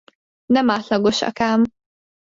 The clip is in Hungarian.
Nem átlagosak ám.